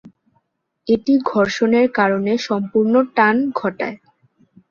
এটি ঘর্ষণের কারণে সম্পূর্ণ টান ঘটায়।